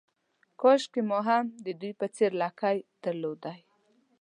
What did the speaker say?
کاشکې ما هم د دوی په څېر لکۍ درلودای.